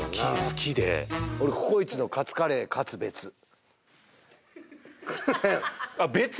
好きで俺ココイチのカツカレーカツ別あっ別？